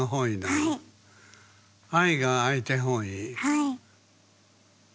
はい。